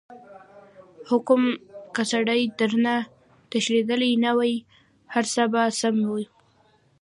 حم که سړی درنه تښتېدلی نه وای هرڅه به سم وو.